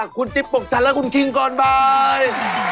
คุณจิ๊บปกฉัดและคุณคิงกรบาย